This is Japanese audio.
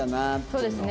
そうですね